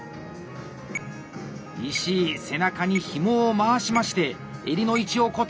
石井背中にひもを回しまして襟の位置を固定！